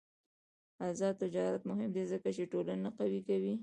آزاد تجارت مهم دی ځکه چې ټولنه قوي کوي.